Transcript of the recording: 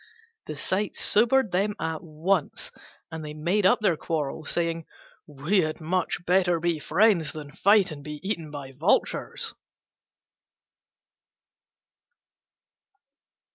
The sight sobered them at once, and they made up their quarrel, saying, "We had much better be friends than fight and be eaten by vultures."